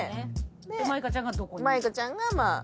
舞香ちゃんがどこに。